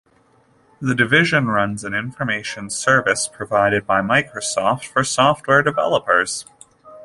The division runs an information service provided by Microsoft for software developers.